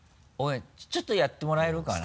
ちょっとやってもらえるかな？